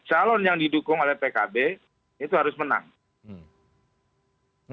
calon yang didukung oleh pkb itu harus menang